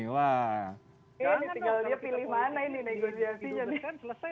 iya tinggal dia pilih mana ini negosiasinya nih